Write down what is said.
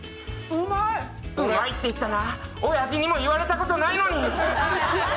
うまいって言ったな、親父にも言われたことないのに！